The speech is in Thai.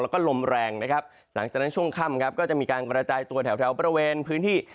แล้วก็ลมแรงนะครับหลังจากนั้นช่วงค่ำครับก็จะมีการกระจายตัวแถวบริเวณพื้นที่